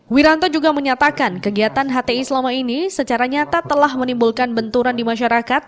wiranto juga menyatakan kegiatan hti selama ini secara nyata telah menimbulkan benturan di masyarakat